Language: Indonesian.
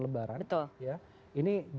lebaran betul ini